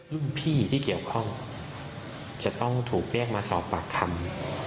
รุ่นพี่ที่เกี่ยวข้องจะต้องถูกเรียกมาสอบปากคำ